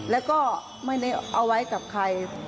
แล้วก็ไม่ได้เอาไว้กับใคร